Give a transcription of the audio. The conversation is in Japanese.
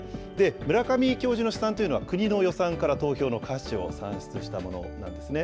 村上教授の試算というのは、国の予算から投票の価値を算出したものなんですね。